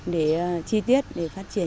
để chi tiết để phát triển